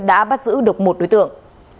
đã bắt giữ được một đối tượng